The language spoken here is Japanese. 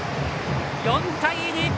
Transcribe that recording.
４対２！